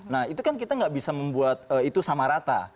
nah itu kan kita nggak bisa membuat itu sama rata